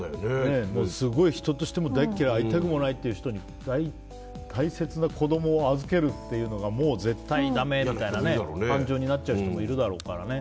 すごい人としても大嫌い会いたくもないという人に大切な子供を預けるのが絶対だめみたいな感情になっちゃう人もいるだろうからね。